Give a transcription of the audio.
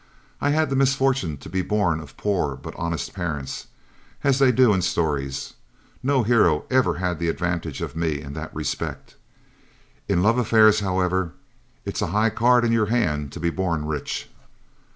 I had the misfortune to be born of poor but honest parents, as they do in stories; no hero ever had the advantage of me in that respect. In love affairs, however, it's a high card in your hand to be born rich.